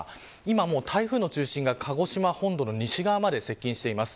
今、台風の中心が鹿児島本土の西側まで接近しています。